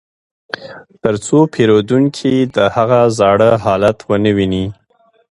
ترڅو پیرودونکي د هغه زاړه حالت ونه ویني